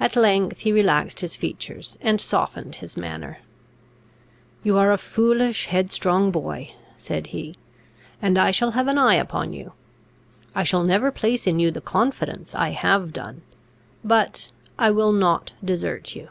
At length he relaxed his features, and softened his manner. "You are a foolish, headstrong boy," said he, "and I shall have an eye upon you. I shall never place in you the confidence I have done. But I will not desert you.